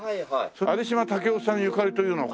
有島武郎さんゆかりというのは？